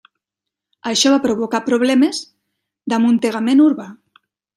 Això va provocar problemes d'amuntegament urbà.